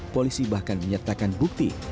polisi bahkan menyertakan bukti